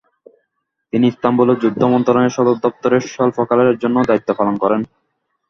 তিনি ইস্তানবুলে যুদ্ধ মন্ত্রণালয়ের সদর দপ্তরে স্বল্পকালের জন্য দায়িত্বপালন করেন।